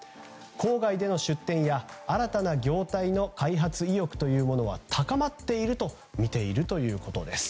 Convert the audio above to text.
郊外での出店や新たな業態での開発意欲というものは高まっているとみているということです。